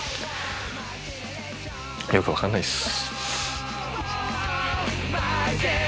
よく分からないです。